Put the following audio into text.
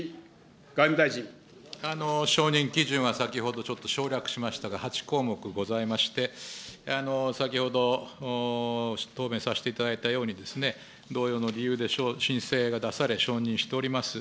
承認基準は先ほどちょっと省略しましたが、８項目ございまして、先ほど、答弁させていただいたように、同様の理由で承認申請が出され、承認しております。